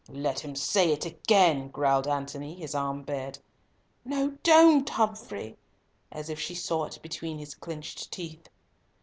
"Let him say it again!" growled Antony, his arm bared. "No, don't, Humfrey!" as if she saw it between his clenched teeth.